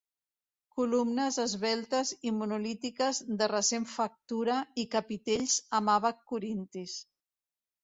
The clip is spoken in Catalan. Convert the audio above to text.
Columnes esveltes i monolítiques de recent factura i capitells amb àbac corintis.